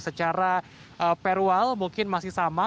secara perual mungkin masih sama